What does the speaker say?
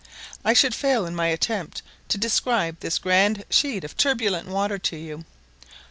I should fail in my attempt to describe this grand sheet of turbulent water to you.